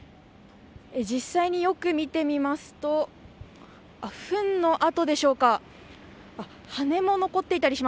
実際によく見てみますとフンの跡でしょうか。